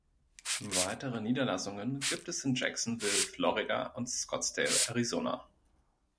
Weitere Niederlassungen gibt es in Jacksonville, Florida, und Scottsdale, Arizona.